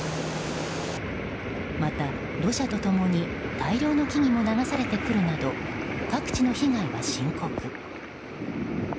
また、土砂と共に大量の木々も流されてくるなど各地の被害は深刻。